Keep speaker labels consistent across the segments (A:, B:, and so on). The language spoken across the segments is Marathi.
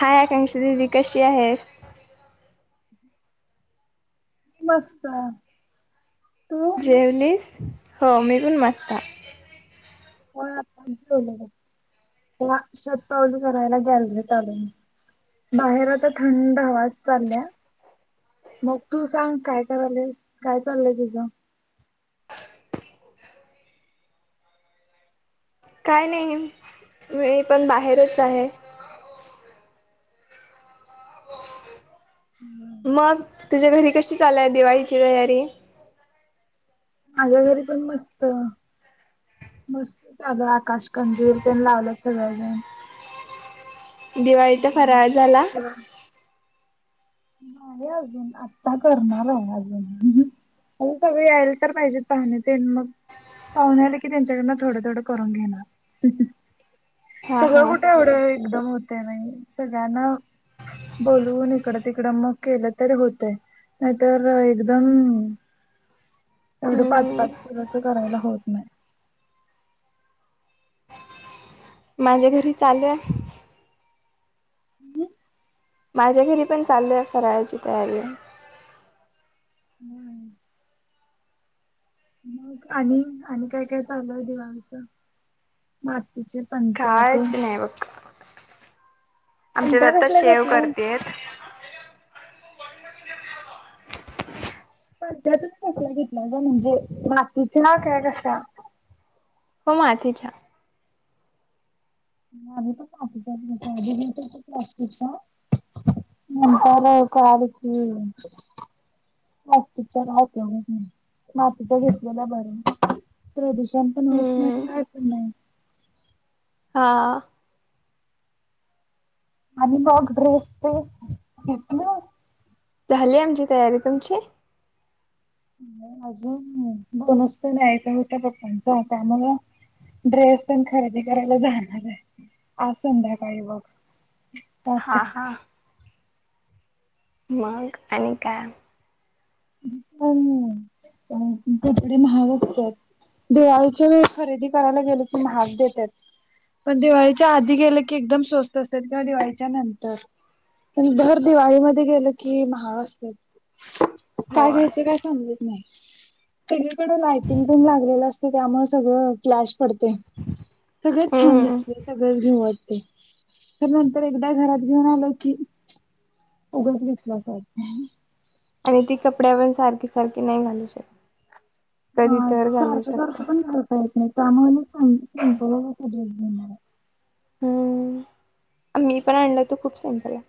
A: हाय आकांक्षा दिदी कशी आहेस?
B: मस्त. तू
A: जेवलीस. हो मी पण मस्त आहे.
B: हो त्याला शतपावली करायला गॅलरीत आले बाहेर आता थंड हवा चालल्या मग तू सांग काय करायलीस? काय चाललंय तुझ?
A: काय नाही मी पण बाहेरच आहे.
B: हम्म.
A: मग तुझ्या घरी कशी चालूये दिवाळीची तयारी?
B: माझ्या घरी पण मस्त. मस्त आग आकाश कंदील न ते लावलेत सगळेजण.
A: दिवाळीचा फराळ झाला.
B: तेव्हा नाही अजून आता करणार आहे अजून. आणि सगळे यायला तर पाहिजे पाहुणे ते मग पाहुणे आले कीं मग त्यांच्या कडन थोडं थोडं करून घेणार.
A: हा
B: सगळं
A: हा
B: कुठे एवढं एकदम होत.? ते नाही सगळ्यांना बोलून इकड तिकड मग केलं तरी होतय नाहीतर एकदम एवढे पाच
A: हम्म
B: पाच किलोच करायला होत नाही.
A: माझ्या घरी चालू आहे.
B: रिकामा ऑडिओ
A: माझ्या घरी पण चालू आहे फराळाची तयारी.
B: आणि आणि काय काय चालूये दिवाळीच? मा
A: कायच नाहीय बघ. आमचेत
B: पणत्या
A: आत्ता
B: कसल्या
A: शेव
B: घेतला
A: केरतेत. [unintelligible]
B: पध्यात कसला घेतला ग म्हणजे मातीचे असता. [unintelligible]
A: हो मातीच्या
B: आम्ही पण मातीच्या घेतल्या, आधी घेतल्या होत्या प्लास्टिकच्या, नंतर कळाल की प्लास्टिकच्या राहत नाही. मातीच्या घेतलेला बरं प्रदूषण पण होत नाही.
A: हम्म
B: काय पण नाही.
A: हा
B: आणि मग ड्रेस ते घेतल!
A: झाली आमची तयारी, तुमची?
B: अजून गोणूच तर यायचा होता पप्पांचा त्यामुळ ड्रेस पण खरेदी करायला जाणार आहे असध्याकाळी बघ [unintelligible]
A: हा हा... मग आणि काय!
B: पण कपडे महाग असतात. दिवाळीच्या वेळी खरेदी करायला गेले की, महाग देतात पण दिवाळीच्या आधी गेले की, एकदम स्वस्त असतात. किंवा दिवाळीच्या नंतर पण दर दिवाळीमध्ये गेलं कि महाग असतात. काय
A: होय
B: घ्यायचं काय समजत नाही. सगळीकडे लायटिंग पण लागलेली असते. त्यामुळे सगळं! फ्लॅश पडते सगळेच छान
A: हम्म
B: दिसते सगळच घेऊ वाटतं. तर नंतर एकदा घरात घेऊन आल की, उगाच घेतला असं वाटतं.
A: आणि ती कपड्यावर पण सारखी सारखी नाही घालू शकत. कधी
B: मग,
A: तर घालू
B: सारखं
A: शकता
B: सारखं पण घालता येत नाही. त्यामुळे [unintelligible] ह ब [unintelligible] बम [unintelligible]
A: हम्म, मी पण आणल तो खूप सिम्पल आहे.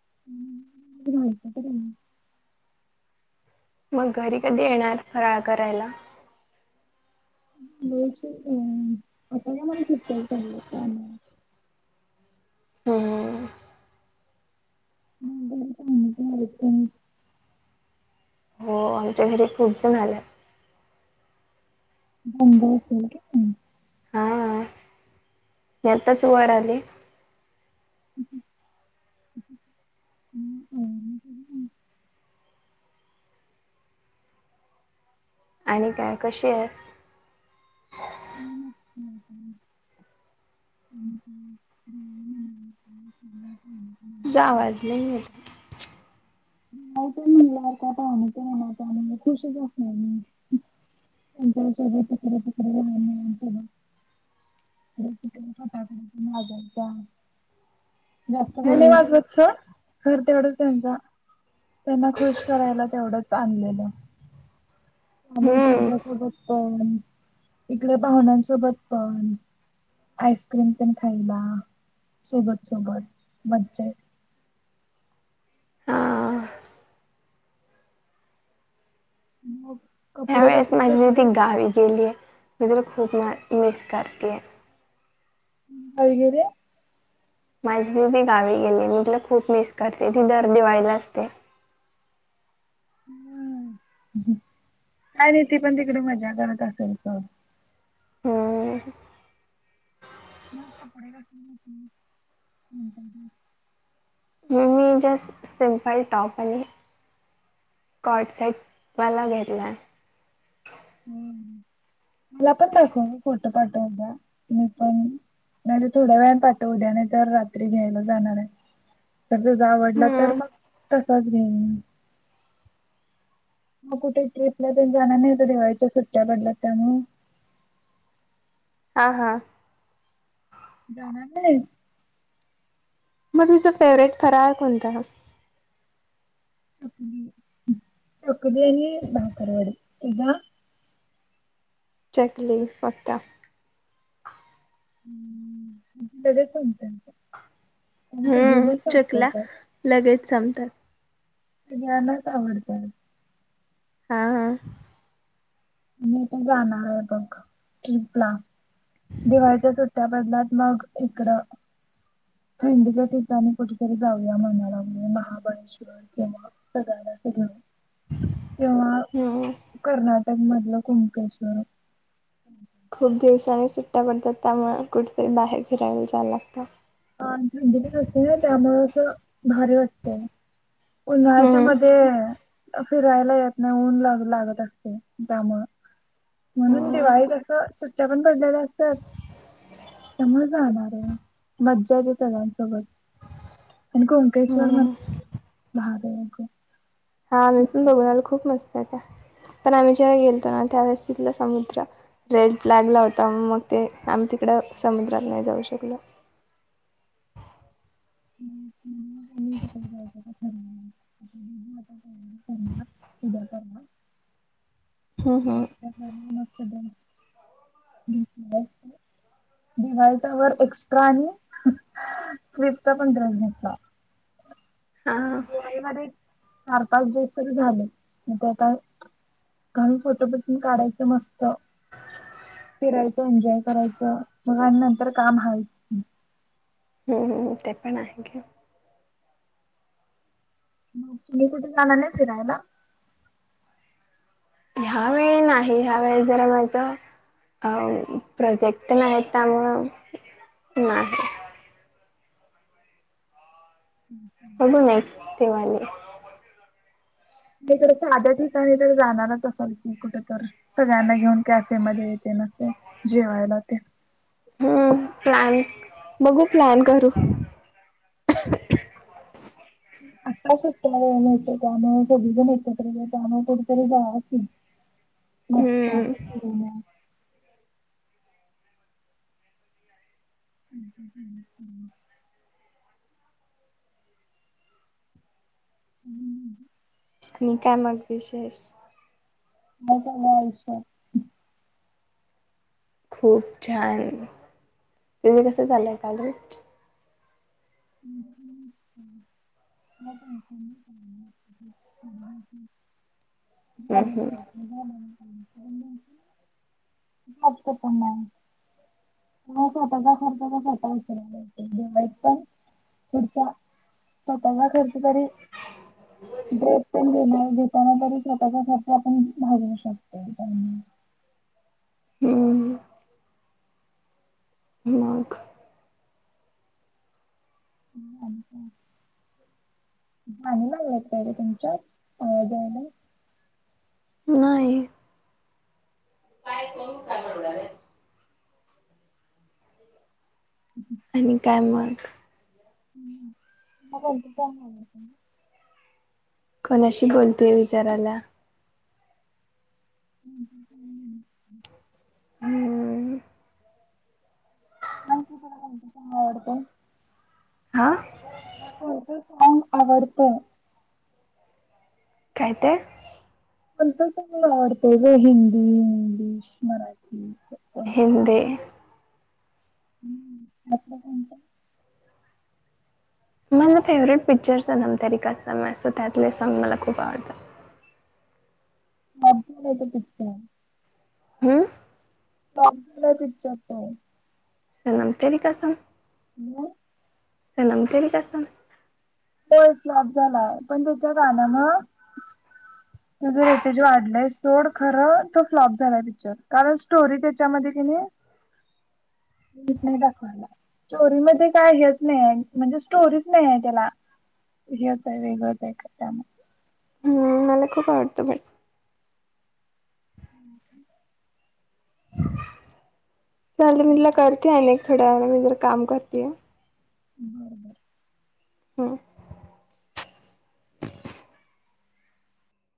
B: [unintelligible]
A: मग घरी कधी येणार? फराळ करायला!
B: ब आता का मला सुट्ट चालला [unintelligible]
A: हम्म...
B: मंग कालत [unintelligible]
A: हो आमच्या घरी खूप झालं.
B: बबत [unintelligible]
A: हा, मी आत्ताच वर आले.
B: हम् [unintelligible]
A: आणि काय कशी आहेस?
B: ह्स् [unintelligible] हम् ह् हम्म [unintelligible]
A: तुझा आवाज नाही येत.
B: नाही म्हणला का पा म्ह आणि खुशच असणार मी आच्या सगळे तिकडे तुकडे राह फटाक वाजायचा [unintelligible] दस
A: आहे
B: टकय
A: हम्म
B: नवाज बछ [unintelligible] वर्द डतेयचा [unintelligible] त्यांना खुश करायला तेवढंच आणलेलं. त्यामुळे
A: हम्म
B: त्यांच्यासोबत आ... इकडे पाहुण्यांसोबत पण आईस्क्रीम पण खायला सोबत सोबत मज्जा येते.
A: ह...
B: [unintelligible]
A: ह वेळेस
B: कसले
A: माजली त
B: घेतलेस
A: गावी गेली आहे. [inaudible]
B: [unintelligible]
A: माझी भी ती गावी गेली, मी तिला खूप मिस करते. ती दर दिवाळीला असते.,
B: काय नाही ती पण तिकडे मज्या करत असेल तर,
A: हो.
B: [unintelligible]
A: मगं मी जस्ट सिम्पल टॉप, आणि काॅड सेट, मला घेतला आहे.
B: [unintelligible] मला पण दाखव फोटो. पाठव द्या मी पण नाहीजे थोड्या वेळ पाठव द्या नाही तर रात्री घ्यायला जाणार आहे? तर तुजा आवडला
A: हम्म
B: [unintelligible] मग कुठे ट्रिपला ते जाणार नाहीत दिवाळीच्या सुट्ट्या पडल्या त्यामुळे?
A: हा हा.
B: जाणार नाही?
A: मगं तिचा फेवरेट फराळ कोणत आहे?
B: चकली आणि भाकरवडी आणि. तुजा?
A: चकली पक्का
B: लगेच सपतयं ते
A: हम्म चकल्या लगेच संपतात.
B: सगळ्यांनाच आवडतात.
A: हा हा.
B: मी तर जाणार आहे बघं [inaudible] दिवाळीच्या सुट्ट्या बदलात मगं इकडं. थंडीच्या ठिकाणी कुठेतरी जाऊया म्हणालागलोय महाबळेश्वर किंवा सगळ्यांना घेऊन किंवा
A: हम्म.
B: कर्नाटक, कोण म्हणल कुणकेश्वर.
A: खूप दिवसाांनी सुट्टा पडतात त्यामुळे कुठेतरी बाहेर फिरायला जायला लागतय.
B: हा थंडी असते ना त्यामुळे अस भारी वाटतेय. उन्हाळ्याच्या
A: हम्म
B: मध्ये. फिरायला येत नाही ऊन ला लागत असते त्यामुळं. म्हणून
A: हम्म.
B: दिवाळीत अस सुट्ट्या पण पडल्यात असतात त्यामुळे जाणार आहे. मज्जा येत्या सगळ्यांसोबत. आणि कुणकेश्वर
A: हम्म
B: मध्ये? महादेवक-
A: हा मी पण बघून आलो खूप मस्त पण आम्ही जेव्हा गेलतो ना त्यावेेळेस तिथलं समुद्र रेड फ्लॅगला होता मग ते आम्ही तिकड समुद्रात नाही जाऊ शकलो.
B: [inaudible] [unintelligible]
A: हम्म हम्म.
B: डिवायसावर एक्स्ट्रा आणि क पडट
A: हा
B: म्ह गवाईमध्ये चार पाच दिवस तरी झाले मग त्या का काही फोटो पटून काढायचं मस्त फिरायचं एन्जॉय करायचं नंतर काम हवी
A: हम् ते पण आहे ग
B: म तुम्ही कुठे जाणार नाही फिरायला
A: ह्या वेळी नाही ह्या वेळी जरा माझ अ प्रोजेक्ट नाही त्यामुळं नाही होग नाहीस दिवाली
B: म्ह साध्या ठिकाणी तर जाणारच असाल की कुठ तर तर गा घेऊन क फेमज य न जेवायला ते
A: हम्म प्लॅन बघू प्लॅन करू
B: आता सुट्ट त्यान सगजण यत्र जान कुठतरी जा नाही
A: हम्म
B: हम् हम् हम्म हम्म हम्म
A: आणि न कायमग विशेष
B: आ वा
A: खूप छान तुझे कसं चाललंय काल
B: ह् ह् ह् नाही् ह
A: हम्म
B: ह
A: हम्म.
B: ह हो पण नाही स्वतःचा खर्चचाला दिवाळीत पण पुचा स्वतला खर्च तरी दड पन दिन घताना तरी स्वतःच्यासाठी आपण भागू शकतो
A: ह मघ
B: झाणी ना भळेतहि रे तुमच्या अय द्यायला
A: नाही आणि कायमग
B: हम् म
A: कोणाशी बोलतेय विचाराला
B: हम् हम्म
A: हम्म
B: आणखी तलाणची चांग आवडत
A: आा
B: पुतं सॉग आवडत
A: काय ते
B: म्हणत तुला आवडतो ग हिंदी इंग्लिश मराठी
A: हिंदी
B: हम्म आपलं कोणत?
A: माझा फेवरेट पिक्चर सनम तेरी कसम ये सो त्यातले सॉंग मला खूप आवडतात.
B: फ्लॉप झालाय तो पिक्चर.
A: हम
B: फ्लॉप झालाय पिक्चर तो.
A: [inaudible]
B: म
A: [inaudible]
B: होय फ्लॉप झालाय पण त्याच्या गाण्यान त्याच रेटेज वाढलंय सोड खरं तो फ्लॉप झालाय पिक्चर कारण स्टोरी त्याच्यामध्ये कि नाही नीट नाही दाखवली स्टोरी मध्ये काय हेच नाही आहे म्हणजे स्टोरीच नाहीये त्याला. हे आता वेगळंच ऐकत त्यामुळं
A: हम्म मला खूप आवडतो पण चांगली मला कर कि हायलाईट. थोड्या वेळाने वैगरे काम करतिये.
B: बर बर.
A: हम्म.